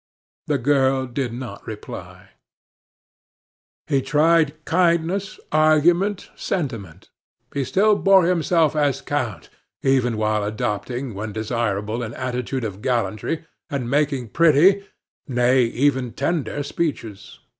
The girl did not reply. He tried kindness, argument, sentiment. He still bore himself as count, even while adopting, when desirable, an attitude of gallantry, and making pretty nay, even tender speeches.